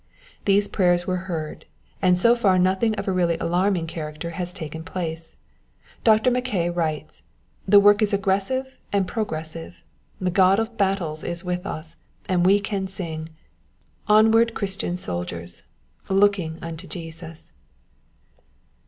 These prayers were heard, and so far nothing of a really alarming character has taken place. Dr. Mackay writes: "The work is aggressive and progressive. The God of battles is with us, and we can sing, 'Onward, Christian soldiers. ..... Looking unto Jesus.'"